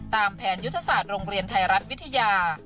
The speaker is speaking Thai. ตามแผนยุทธศาสตร์โรงเรียนไทยรัฐวิทยา